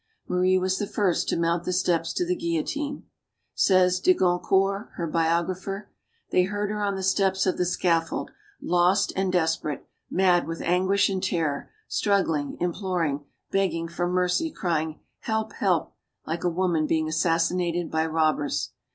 Marie was the first to mount the steps to the guillotine. Says De Goncourt, her biographer: "They heard her on the steps of the scaffold, lost and desperate, mad with anguish and terror, struggling, imploring, begging for mercy, crying, 'Help ! Help !' like a woman being assassinated by rob bers."